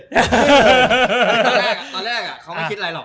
ตอนแรกเขาไม่คิดอะไรหรอก